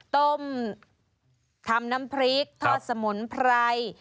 ต้มทำน้ำพริกทอดสมุนไพร